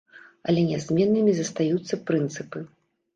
Але нязменнымі застаюцца прынцыпы.